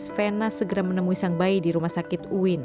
fena segera menemui sang bayi di rumah sakit uin